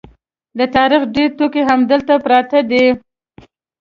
د تاریخ ډېر توکي همدلته پراته دي.